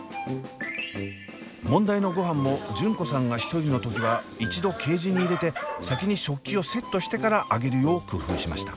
問題のごはんも純子さんが１人の時は一度ケージに入れて先に食器をセットしてからあげるよう工夫しました。